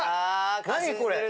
何これ？